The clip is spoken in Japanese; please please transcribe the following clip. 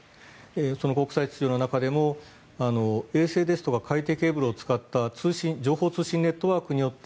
その国際秩序の中でも衛星ですとか海底ケーブルを使った情報通信ネットワークによって